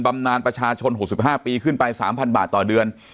บำนานประชาชน๖๕ปีขึ้นไป๓๐๐บาทต่อเดือน